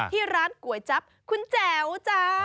ที่ร้านก๋วยจั๊บคุณแจ๋วจ้า